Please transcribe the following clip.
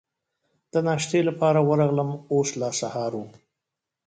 د ناشتې لپاره ورغلم، اوس لا سهار و.